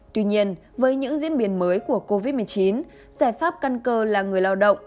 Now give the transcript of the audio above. tuy nhiên với những diễn biến mới của covid một mươi chín giải pháp căn cơ là người lao động